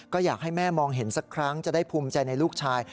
ก็อยากให้แม่มองเห็นสักครั้งจะได้ภูมิใจในลูกชาย